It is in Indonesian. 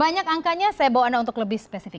banyak angkanya saya bawa anda untuk lebih spesifik